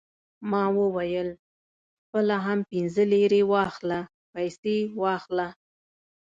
ما وویل: خپله هم پنځه لېرې واخله، پیسې واخله.